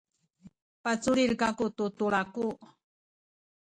paculil kaku tu tulaku.